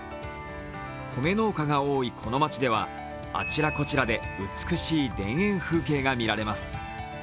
米農家が多いこの町ではあちらこちらで美しい田園風景が見られます。